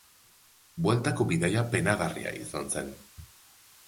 Bueltako bidaia penagarria izan zen.